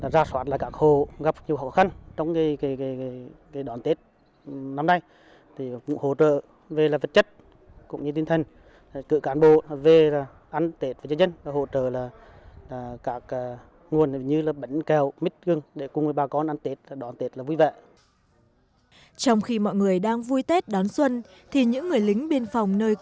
tết đình rộng năm nay mặc dù còn gặp nhiều khó khăn do sự cố môi trường biển